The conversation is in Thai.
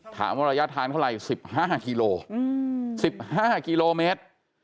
ถามว่าระยะทางเท่าไหร่สิบห้ากิโลสิบห้ากิโลเมตร